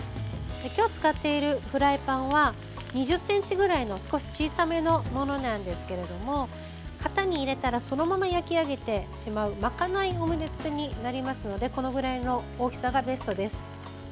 今日使っているフライパンは２０ｃｍぐらいの少し小さめのものなんですけれども型に入れたらそのまま焼き上げてしまう巻かないオムレツになりますのでこのぐらいの大きさがベストです。